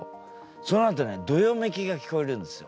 そのあとねどよめきが聞こえるんですよ